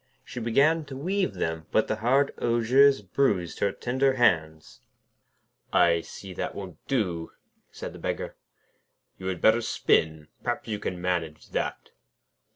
She began to weave them, but the hard osiers bruised her tender hands. 'I see that won't do,' said the Beggar. 'You had better spin; perhaps you can manage that.'